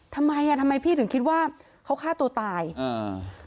ทำไมอ่ะทำไมพี่ถึงคิดว่าเขาฆ่าตัวตายอ่า